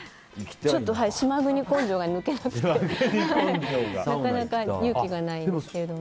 ちょっと島国根性が抜けなくてなかなか勇気がないんですけども。